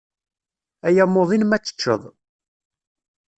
Ay amuḍin ma ad teččeḍ.